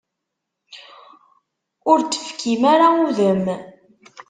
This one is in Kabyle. Ur d-tefkim ara udem.